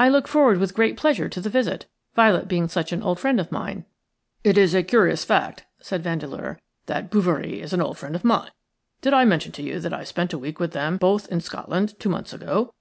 "I look forward with great pleasure to the visit, Violet being such an old friend of mine." "It is a curious fact," said Vandeleur, "that Bouverie is an old friend of mine. Did I mention to you that I spent a week with them both in Scotland two months ago?